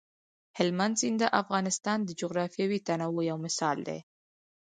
هلمند سیند د افغانستان د جغرافیوي تنوع یو مثال دی.